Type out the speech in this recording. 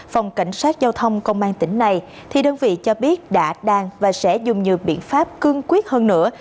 phòng cảnh sát giao thông công an tỉnh này thì đơn vị cho biết đã đang và sẽ dùng nhiều biện pháp cương quyết hơn nữa